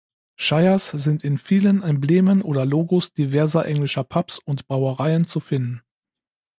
Shires sind in vielen Emblemen oder Logos diverser englischer Pubs und Brauereien zu finden.